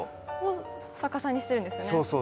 逆さにするんですよね。